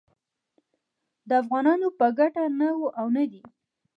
د افغانانو په ګټه نه و او نه دی